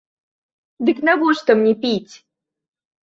Дык навошта мне піць?